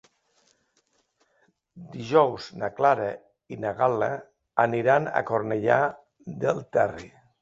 Dijous na Clara i na Gal·la aniran a Cornellà del Terri.